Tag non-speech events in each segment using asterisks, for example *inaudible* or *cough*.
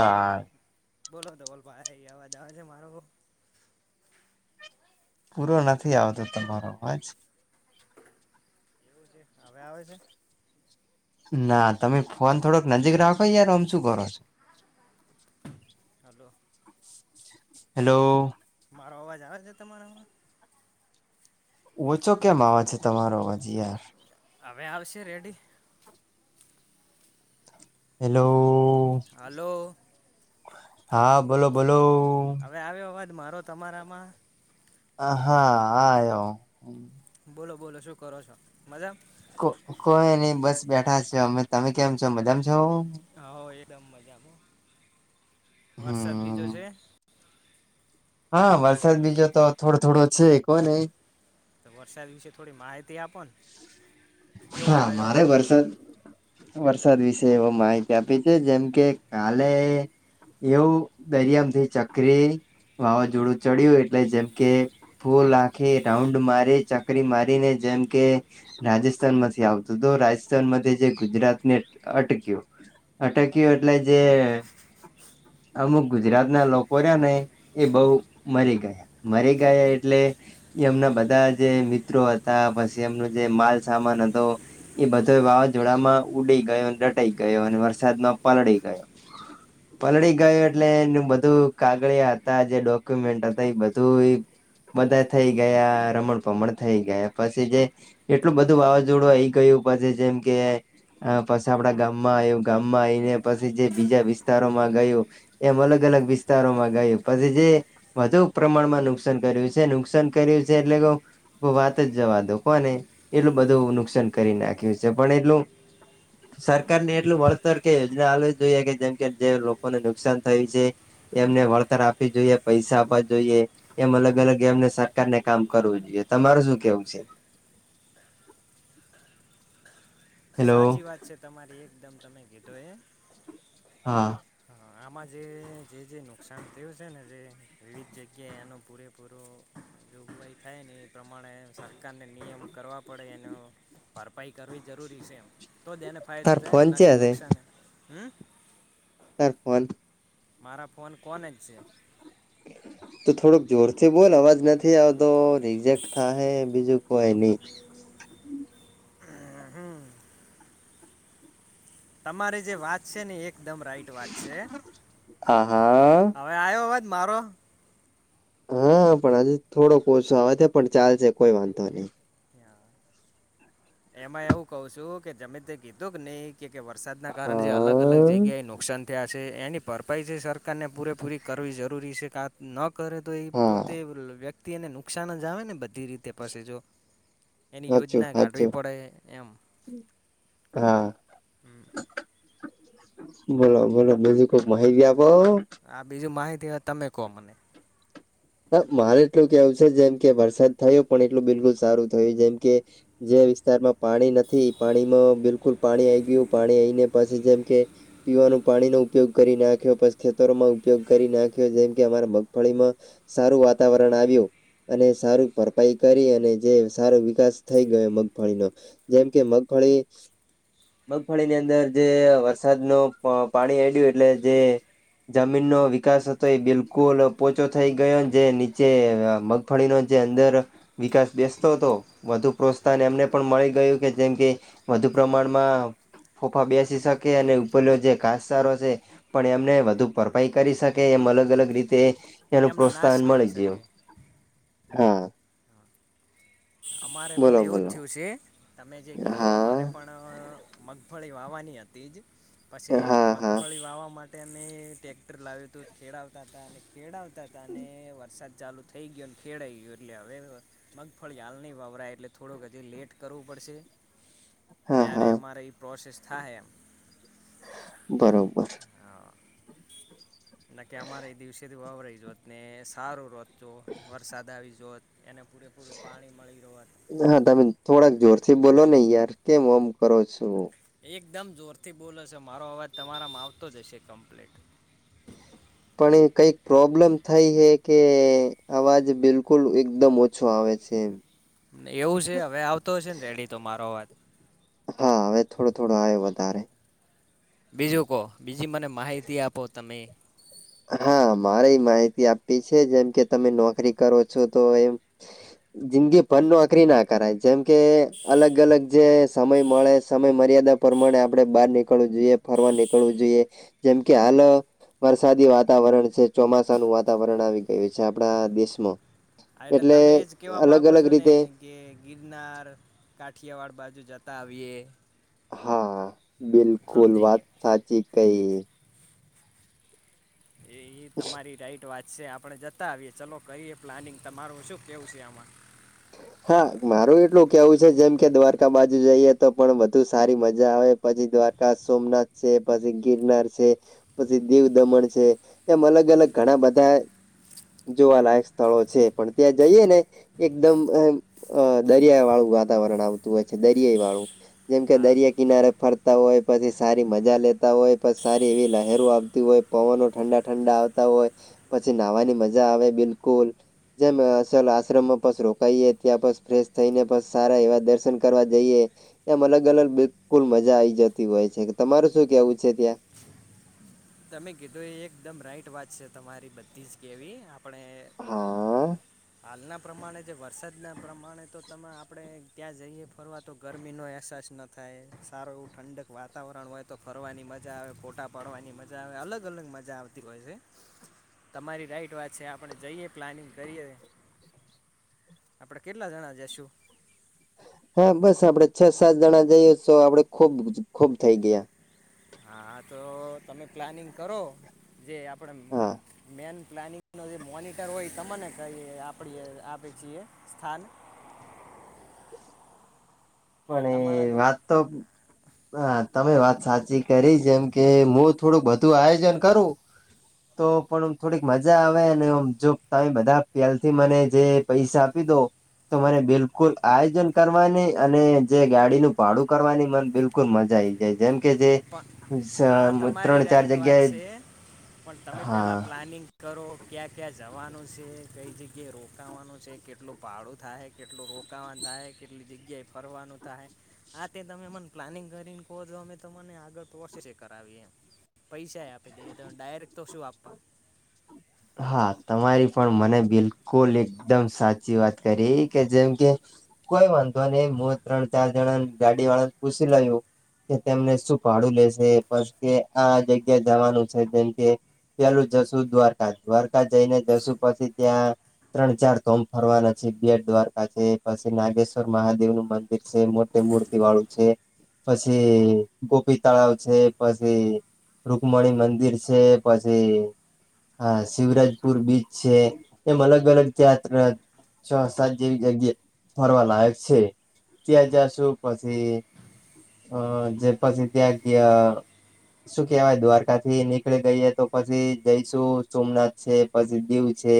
બોલો બોલો ધવલ ભાઈ અવાજ આવે છે મારો.? પૂરો નથી આવતો તમારો અવાજ. હવે આવે છે.? ના તમે ફોન થોડોક નજીક રાખો યાર આમ શું કરો છો.? હા પપ્પા હાલો.? હેલો.? મારો અવાજ આવે છે તમારા.? ઓછો કેમ આવે છે તમારો અવાજ યાર.? હવે આવશે રેડી.? હેલો.? હાલો. ! હા બોલો બોલો? હવે આવ્યા અવાજ મારો તમારામાં? હ હા આયો બોલો બોલો શું કરો છો મજા? કોઈ નહી બસ બેઠા છ અમે તમે કેમ છો મજામાં છો? હો એકદમ મજામાં, વરસાદ બીજો હમ છે? હા વરસાદ બીજો તો થોડો થોડો છે કો ને તો વરસાદ વિશે થોડી માહિતી આપો કેવો હા આવ્યો મારે વરસાદ વરસાદ વિશે એવ માહિતી આપી છે, જેમ કે કાલે એવું દરિયામ થી ચકરી વાવાઝોડું ચડ્યું એટલે જેમ કે ફો લાખી રાઉન્ડ મારી ચકરી મારીને જેમ કે રાજસ સ્થાન માંથી આવતું તો રાજસ્થાન માંથી જે ગુજરાત ને અ અટક્યો અટક્યું એટલે જે અમુક ગુજરાત ના લોકો રહ્યા ને એ બઉ મરી ગયા. મરી ગયા એટલે એમના બધા જે મિત્રો હતા પછી એમનો જે માલ સામાન તો એ બધો વાવાઝોડામાં ઉડી ગયો ડટાઈ ગયો અને વરસાદમાં પલળી ગયો. *inaudible* પલળી ગયો એટલે એનું બધું કાગળિયા હતા જે ડોક્યુમેન્ટ હતા એ બધુંય બધા થઈ ગયા રમણ ભમણ થઈ ગયા પછી જે એટલું બધું વાવાઝોડું આઇ ગયું, પછી જેમ કે હ પછી આપડા ગામમાં આયુ ગામમાં આઈને પછી જે બીજા વિસ્તારોમાં ગયુ. એમ અલગ અલગ વિસ્તારોમાં ગયું પછી જે વધુ પ્રમાણમાં નુકસાન કર્યું છે, નુકસાન કર્યું છે, એટલે કે વાત જ જવા દો કો ને એટલું બધું નુકસાન કરી નાખ્યું છે, પણ એટલુ સરકારને એટલું વળતર કે યોજના આલુ જોઈએ કે જેમ કે જે લોકોને નુકસાન થયું છે. એમને વળતર આપવી જોઈએ પૈસા આપવા જોઈએ. એમ અલગ અલગ એમને સરકારને કામ કરવું જોઈએ તમારુ શું કેવું છે. હેલો સાચી વાત છે તમારી એકદમ તમે કીધો એ હા આમાં જે જેજે નુકસાન થયું છે ને જે વિવિધ જગ્યાએ એનો પૂરેપૂરો જોગવાઈ થાય ને એ પ્રમાણે સરકારને નિયમ કરવા પડે એનો ભારપાઈ કરવી જરૂરી છે એમ તો જ એને ફાયદો તાર થાય ને ફોન ના કે ચ્યાં સે નુકસાન હમ તરફોન મારા ફોન કોન જ છે. તું થોડોક જોરથી બોલ અવાજ નથી આવતો રિઝેક્ટ થાય બીજું કોઈ નહી. હમ તમારી જે વાત છે ને એકદમ રાઈટ વાત છે. હા હવે આવ્યો અવાજ મારો? હા પણ હજુ થોડો ઓસો અવાજે પણ ચાલશે કોઈ વાંધો નહી. હા એમાં એવું કઉ છું, કે જમે તે કીધું કે નહી કે વરસાદના કારણે જે અલગ અલગ હા જગ્ ગ્યાએ નુકસાન થયા છે એની ભરપાઈ જે સરકારને પૂરેપૂરી કરવી જરૂરી છે, કા ન કરે તો એ હા પોતે વ્ય ક્તિ નુકસાન જ આવે ને બધી રીતે પસેજો એની હાચું યોજના ગાઢવી. હાચું એમ હા બોલો બોલો બીજું કાંક માહિતી આપો આ બીજું માહિતી આ તમે કહો મને હ મારે એટલું કેવું છે, જેમ કે વરસાદ થયો પણ એટલું બિલકુલ સારું થયું જેમ કે જે વિસ્તારમાં પાણી નથી પાણીમાં બિલકુલ પાણી આઈ ગયું પાણી આઈને પછી જેમ કે પીવાનું પાણીનો ઉપયોગ કરી નાખ્યો, પછી ખેતરોમાં ઉપયોગ કરી નાખ્યો, જેમ કે અમારા મગફળીમાં સારું વાતાવરણ આવ્યું. અને સારું ભરપાઈ કરી અને જે સારો વિકાસ થઈ ગયો મગફળીનો. જેમ કે મગફળી મગફળી ની અંદર જે વરસાદ નુ પાણી અડ્યું એટલે જે જમીનનો વિકાસ હતો એ બિલકુલ પોચો થઈ ગયો જે નીચે મગફળીનો જે અંદર વિકાસ બેસતો હતો વધુ પ્રોત્સાહન એમને પણ મળી ગયું કે જેમ કે. વધુ પ્રમાણમાં ફોફા બેસી શકે અને ઉપરલો જે ઘાસચારો છે. પણ એમને વધુ ભરપાઈ કરી શકે એમ અલગ અલગ રીતે એનું એમનો નાશ પ્રોત્સાહન કરી મળી ગયું શકે હા. અમારે બોલો પણ એવું જ બોલો થયું છે તમે જે કીધું અમારે હા પણ. મગફળી વાવાની હતી જ પછી હા મગ હા મગફળી વાવવા માટે અમે ટેક્ટર લાવ્યું હતું ખેડાવતા હતા અને ખેડાવતા હતા અને વરસાદ ચાલુ. થઈ ગયો ને તેડાએ ગયો એટલે હવે. ફળી હાલ નહીં વાવરાય એટલે થોડુંક હજી લેટ કરવું પડશે. હા ત્યારે હા અમારે ઈ પ્રોસેસ થાય એમ. બરોબર. હા ન કે અમારે એ દિવસેથી વવરાઈ જોત ને સારું રત. જો વરસાદ આવી જોત એને પૂરેપૂરું પાણી મળી જોત. હા તમે થોડાક જોર થી બોલો ને યાર કેમ ઓમ કરો છો. એકદમ જોરથી બોલો છે મારો અવાજ તમારામાં આવતો જ હશે કમ્પ્લીટ. પણ એ કઈક પ્રોબ્લેમ થઈ હે કે અવાજ બિલકુલ એકદમ ઓછો આવે છે એ. એવું છે હવે આવતો હશે ને રેડી તો મારો અવાજ. હા હવે થોડો થોડો આવયો વધારે. બીજું કહો બીજી મને માહિતી આપો તમે. હા મારે માહિતી આપી છે જેમ કે તમે નોકરી કરો છો તો એમ. જિંદગી ભર નીકરી ના કરાય જેમ કે અલગ અલગ જે સમય મળે સમય મર્યાદા પ્રમાણે આપડણે બહાર નીકળવું જોઈએ ફરવા નીકળવું જોઈએ જેમ કે હાલ. વરસાદી વાતાવરણ છે ચોમાસાનું વાતાવરણ આવી ગયું છે આપણા દેશમાં. હા એટલે તમે એજ કેવા અલગ માંગો અલગ છો ને. રીતે કે ગિરનાર કાઠિયાવાડ બાજુ જતા આવીએ. હા બિલકુલ સમજી વાત ગયા સાચી કઈ. એ ઈ તમારી રાઈટ વાત. છે આપણે જતા આવીએ ચલો કરીએ પ્લાનિંગ તમારું શું કેવું છે આમાં. હા મારું એટલું કેવું છે જેમ કે દ્વારકા બાજુ જઈએ તો પણ વધુ સારી મજા આવે. પછી દ્વારકા સોમનાથ છે પછી ગિરનાર છે. પછી દીવ દમણ છે એમ અલગ અલગ ઘણા બધા. જોવાલાયક સ્થળો છે પણ ત્યાં જઈએ ને. એકદમ એમ દરિયા વાળું વાતાવરણ આવતું હોય છે દરિયાઈ વાળું. જેમ કે હા દરિયા કિનારે ફરતા હોય પછી સારી મજા લેતા હોય પછી સારી એવી લહેરો આવતી હોય. પવનો ઠંડા ઠંડા આવતા હોય પછી નાહવાની મજા આવે બિલકુલ. જેમ અસલ આશ્રમ. બસ રોકાઈએ ત્યાં બસ ફ્રેશ થઈ ને બસ સારા એવા દર્શન કરવા જઈએ. એમ અલગ અલગ બિલકુલ મજા આઈ જતી હોય છે તમારું શું કેવું છે ત્યાં. તમે કીધું એ એકદમ રાઈટ વાત છે તમારી બધી જ કેવી. પણ હા એ હાલના. પ્રમાણે જે વરસાદના પ્રમાણે તો તમે આપણે ત્યાં જઈએ ફરવા તો ગરમીનો અહેસાસ નથી થતો. થાય સારું એવું ઠંડક વાતાવરણ હોય તો ફરવાની મજા આવે ફોટા પાડવાની મજા. અલગ અલગ મજા આવતી હોય છે. તમારી રાઈટ વાત છે આપણે જઈએ પ્લાનિંગ કરીએ. આપણે કેટલા જણા જઈશું. હા બસ આપણે છ સાત જણા જઈએ તો આપણે ખુબ ખુબ થઇ ગયા. હા તો તમે પ્લાનિંગ કરો જે આપણે. હા. મેન પ્લાનિંગ નો જે મોનિટર હોય તમને કરીએ. *inaudible* પણ વાત તો. હા તમે વાત સાચી કરી જેમ કે હું થોડુંક વધુ આયોજન કરું. તો પણ થોડીક મજા આવેને જો તમે બધા પહેલે થી મને જે. પૈસા આપી દો તો મને બિલકુલ આયોજન કરવાને. અને જે ગાડીનું ભાડું કરવાની મન બિલકુલ મજા આઈ જાય જેમ કે જે. પણ હા તમારી ત્રણ ચાર રાઈટ વાત જગ્યાએ છે, પણ તમે પેલા હા પ્લાનિંગ કરો ક્યાં ક્યાં જવાનું છે, કઈ જગ્યા રોકાવાનું છે, કેટલું ભાડું થાય, કેટલું રોકાવાનું થાય કેટલી જગ્યાએ ફરવાનું થાય, હા તે તમે અમને પ્લાનિંગ કરીને કહો છો. અમે તો મને આગળ પ્રોસેસ કરાવી એમ પૈસા આપી દઈએ. તો ડાયરેક્ટ તો શું આપવા હા તમારી પણ મને બિલકુલ એકદમ સાચી વાત કરી કે જેમ કે કોઈ વાંધો નહી હું ત્રણ ચાર જણા ગાડી વાળા પૂસી તો લઉ. કે તેમને શું ફાડું લેશે પસ કે આ જગ્યા જવાનું છે જેમ કે પેલું જશું દ્વારકા. દ્વારકા જઈને જશુ પછી ત્યાં ત્રણ ચાર ગોમ ફરવાના છે બેટ દ્વારકા છે પછી નાગેશ્વર મહાદેવ નું મંદિર છે મોટી મૂર્તિ *unintelligible* છે પછી ગોપી તળાવ છે પછી રુકમણી મંદિર છે. પછી હા શિવરાજપુર બીચ છે. એમ અલગ અલગ જાત્રા છ સાત જેવી જગ્યા ફરવા લાયક છે. ત્યાં જશું પછી અ જે પછી ત્યાં ગયા શું કહેવાય દ્વારકા થી નીકળી ગઈએ તો પછી જઈશું. સોમનાથ છે પછી દીવ છે.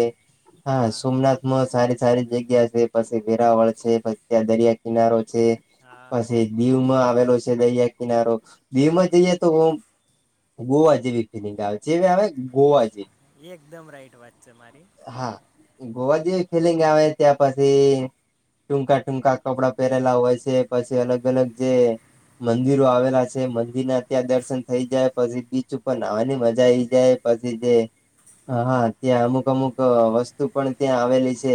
હા સોમનાથ માં સારી સારી જગ્યા છે, પછી વેરાવળ છે, પછી ત્યાં દરિયા કિનારો છે. હા પછી દીવ માં આવેલો છે દરિયા કિનારો. દીવ હા માં જઈ એ તો ઓમ ગોવા જેવી ફિલિંગ આવે જેવી આવે ગોવા જેવી. એકદમ રાઈટ વાત છે મારી. હા ગોવા જેવી ફિલિંગ આવે ત્યાં પછી. ટૂંકા ટૂંકા કપડાં પહેરેલા હોય છે. પછી અલગ અલગ જે મંદિરો આવેલા છે મંદિર ના ત્યાં દર્શન થઇ જાય પછી બીચ ઉપર નાહવાની મજા આઈ જાય. પછી જે હા ત્યાં અમુક અમુક વસ્તુ પણ ત્યાં આવેલી છે.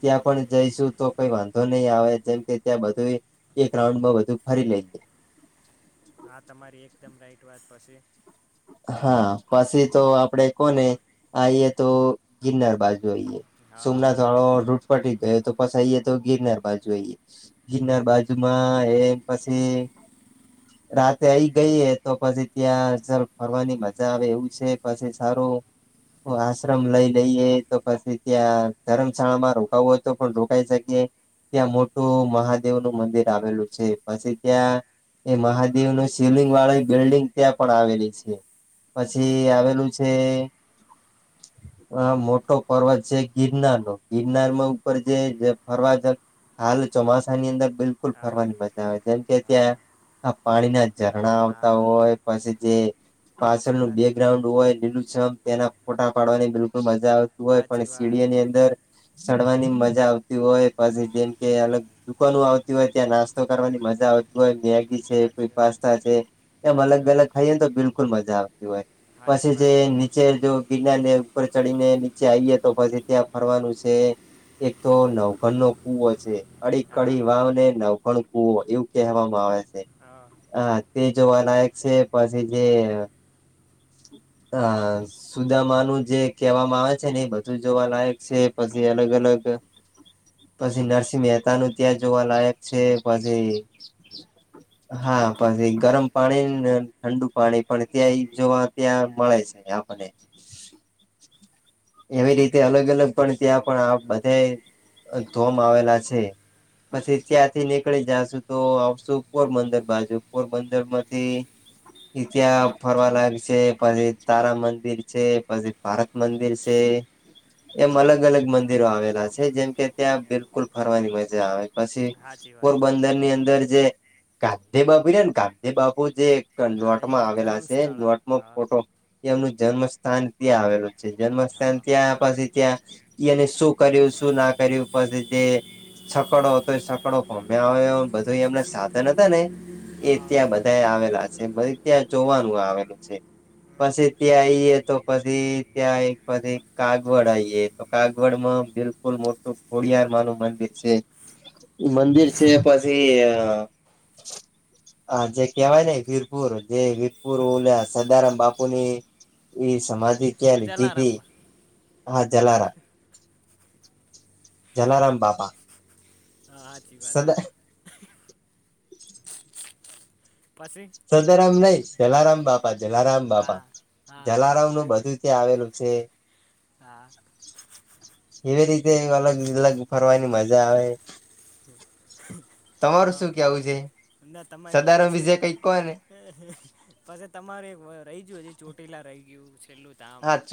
ત્યાં પણ જઈશું તો કઈ વાંધો નહી આવે. જેમ કે ત્યાં બધું એ એક રાઉન્ડ માં બધું ફરી લઈ લઈએ. હા તમારી એકદમ રાઈટ વાત પછી. હા પછી તો આપણે કોને આઈએ તો ગિરનાર બાજુ જોઈએ. હા સોમનાથ વાળો રૂટ પટી ગયો તો પસી આઈએ તો ગિરનાર બાજુ આઈએ. ગિરનાર બાજુ માં એ પછી રાતે આવીઈ ગઈએ તો પછી ત્યાં સર ફરવાની મજા આવે એવું છે પછી સારું. આશ્રમ લઈ લઈએ તો પછી ત્યાં ધર્મશાળામાં રોકાવું હોય તો પણ રોકાઈ શકીએ. ત્યાં મોટું મહાદેવ નું મંદિર આવેલું છે. પછી ત્યાં તે મહાદેવ નુ શિવલીંગ વાળા બિલ્ડિંગ ત્યાં પણ આવેલી છે. પછી આવેલું છે. હ. હા મોટો પર્વત છે. ગિરનારનો ગિરનારમાં ઉપર જે ફરવા જ હાલ ચોમાસાની અંદર બિલકુલ હા ફરવાની મજા આવે. જેમ કે ત્યાં હા આ પાણીના ઝરણા આવતા હા હોય પછી જે. પાછળ સાચી નું વાત બેકગ્રાઉન્ડ હોય લીલૂછમ તેના ફોટા પાડવાની બિલકુલ મજા આવે. હોય પણ સાચી વાત સીડીની અંદર ચડવાની મજા આવતી હોય. પછી જેમ કે અલગ દુકાનો આવતી હોય ત્યાં નાસ્તો કરવાની મજા આવતી હોય સાચી ત્યાં વાત પાસ્તા છે એમ સાચી અલગ વાત અલગ ખાઈએ તો બિલકુલ મજા આવતી હોય સાચી પછી જે વાત એકદમ નીચે જેઓ ગિરનારને ઉપર ચડીને નીચે આવીએે તો પછી ત્યાં ફરવાનું છે. એક તો નવકણનો કૂવો છે અડી હા કડીવાવ ને નવકણ કુવો એવું કહેવામાં આવે છે. હા. હા તે જોવા લાયક છે પછી જે હા. સુદામાનું જે કહેવામાં આવે છે ને એ બધું જોવા લાયક છે પછી અલગ અલગ પછી નરસિંહ મહેતાનુ ત્યાં જોવા લાયક છે પછી હા પછી ગરમ પાણીને ઠંડુ પાણી પણ ત્યાં ઈ જોવા ત્યાં મળે છે આપને એવી રીતે અલગ અલગ પણ ત્યાં પણ આ બધા ધોમ આવેલા છે પછી ત્યાંથી નીકળી જશું તો આવશું પોરબંદર બાજુ પોરબંદર માંથી ત્યાં ફરવા લાયકછે પછી તારા મંદિર છે પછી ભારત મંદિર છે તે એમ અલગ અલગ મંદિરો આવેલા છે જેમ કે ત્યાં બિલકુલ ફરવાની મજા આવે પછી સાચી વાત પોરબંદરની અંદર જે ગાંધી બાપુ છે ને ગાંધી બાપુ જે હા નોટમાં એનું આવેલા જન્મ છે સ્થળ નોટમાં હા ફોટો એમનું જન્મ સ્થાન ત્યાં આવેલું છે જન્મ સ્થાન હા ત્યાં પછી ત્યાં એને શું કર્યું શું ના કર્યું પછી જે છકડો હતો છકડો ગોમ્યો આવ એ બધું એમને સાધન હતા ને એ હા ત્યાં બધા આવેલા છેપછી ત્યાં જોવાનું આવેલું છે પછી ત્યાં આઈએ તો પછી ત્યાં પછી કાગવડ આઈયે તો કાગવડ માં બિલકુલ મોટું ખોડિયારમાં નું મંદિર છે મંદિર છે પછી હા જે કેવાય ને વીરપુર જે વીરપુર ઓલ્યા સદારામ બાપુની એ સમાધિ ત્યાં લીધી જલારામ તી બા હા જલારા જલારામ બાબા હા સાચચી વાત હ પછી સદારામ નહી જલારામ બાપા જલારામ હા બાપા હા જલારામ નું બધું ત્યાં આવેલું છે હા એવે રીતે અલગ અલગ ફરવાની મજા આવે તમારું હા શું કેવું છે ના તમારી સદારામ પછી વિશે કઈ ક્યોને પછી તમારે એક રહી ગયું ચોટીલા રહી ગયું છેલ્લું ધામ હા ચો